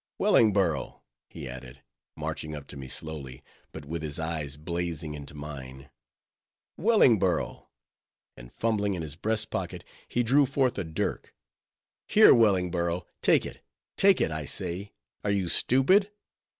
"Wellingborough," he added, marching up to me slowly, but with his eyes blazing into mine—"Wellingborough"—and fumbling in his breast pocket, he drew forth a dirk—"Here, Wellingborough, take it—take it, I say—are you stupid?